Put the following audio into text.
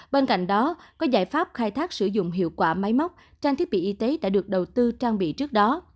bên cạnh đó có giải pháp khai thác sử dụng hiệu quả máy móc trang thiết bị y tế đã được đầu tư trang bị trước đó